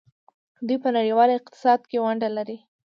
دوی په نړیوال اقتصاد کې ونډه لري.